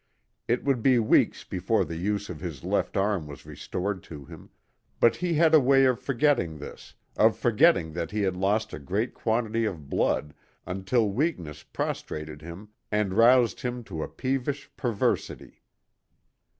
It would be weeks before the use of his left arm was restored to him; but he had a way of forgetting this, of forgetting that he had lost a great quantity of blood, until weakness prostrated him and roused him to a peevish perversity.